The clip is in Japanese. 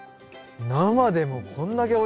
生でもこんだけおいしいんだ。